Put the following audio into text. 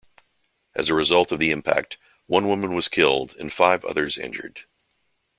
As a result of the impact, one woman was killed and five others injured.